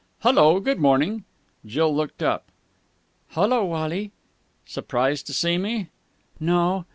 "Hullo! Good morning!" Jill looked up. "Hullo, Wally!" "Surprised to see me?" "No.